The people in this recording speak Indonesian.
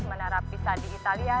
menara pisah di italia